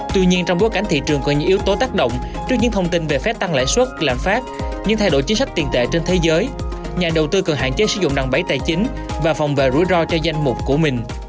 tuy nhiên trong bối cảnh thị trường có những yếu tố tác động trước những thông tin về phép tăng lãi suất lạm phát những thay đổi chính sách tiền tệ trên thế giới nhà đầu tư cần hạn chế sử dụng đòn bấy tài chính và phòng vệ rủi ro cho danh mục của mình